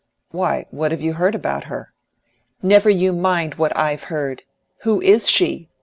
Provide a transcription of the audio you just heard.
"Why, what have you heard about her?" "Never you mind what I've heard. Who is she?